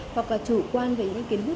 hoặc là chủ quan về những kiến bước